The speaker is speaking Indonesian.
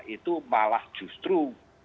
itu malah justru